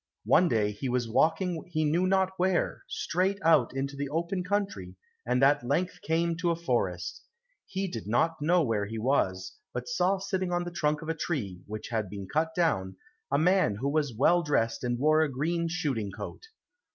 One day he was walking he knew not where, straight out into the open country, and at length came to a forest. He did not know where he was, but saw sitting on the trunk of a tree, which had been cut down, a man who was well dressed and wore a green shooting coat.